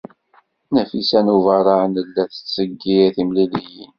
Nafisa n Ubeṛṛan tella tettseggir timliliyin.